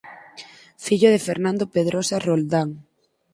Fillo de Fernando Pedrosa Roldán.